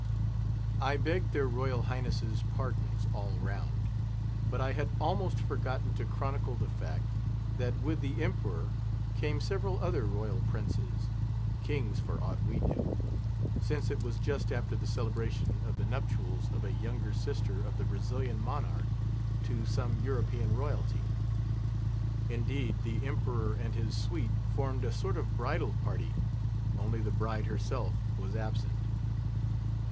I Beg their Royal Highnesses' pardons all round, but I had almost forgotten to chronicle the fact, that with the Emperor came several other royal Princes—kings for aught we knew—since it was just after the celebration of the nuptials of a younger sister of the Brazilian monarch to some European royalty. Indeed, the Emperor and his suite formed a sort of bridal party, only the bride herself was absent.